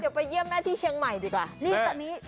เดี๋ยวไปเยี่ยมแม่ที่เชียงใหม่ดีกว่า